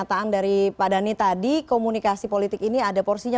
tanggapan anda dr tirta